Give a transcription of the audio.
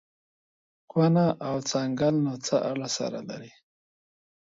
کونه او څنگل نو څه اړه سره لري.